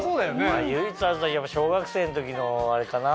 唯一あるといえば小学生の時のあれかな。